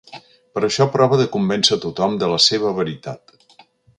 Per això prova de convèncer tothom de la seva veritat.